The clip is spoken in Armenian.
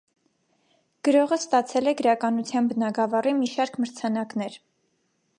Գրողը ստացել է գրականության բնագավառի մի շարք մրցանակներ։